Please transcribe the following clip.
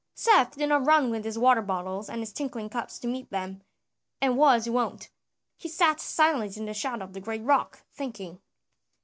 Seth did not run with his water bottles and his tinkling cups to meet them, as was his wont. He sat silent in the shadow of the great rock, thinking.